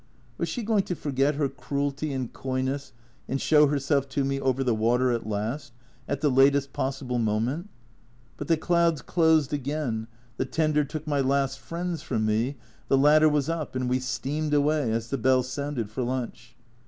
Was she going to forget her cruelty and coyness and show herself to me over the water at last, at the latest possible moment? But the clouds closed again, the tender took my last friends from me, the ladder was up, and we steamed away as the bell sounded for lunch.